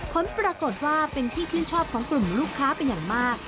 ผลปรากฏว่าเป็นที่ชื่นชอบของกลุ่มลูกค้าเป็นอย่างมาก